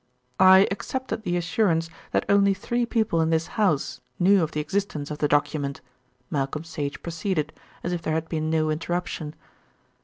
"I accepted the assurance that only three people in this house knew of the existence of the document," Malcolm Sage proceeded, as if there had been no interruption.